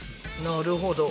なるほど。